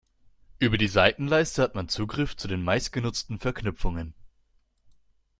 Über die Seitenleiste hat man Zugriff zu den meistgenutzten Verknüpfungen.